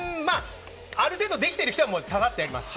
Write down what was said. ある程度できている人はさらっとやります。